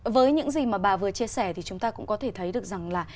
với những gì mà bà vừa chia sẻ thì chúng ta cũng có thể thấy được rằng là